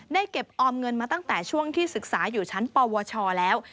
เก็บออมเงินมาตั้งแต่ช่วงที่ศึกษาอยู่ชั้นปวชแล้ว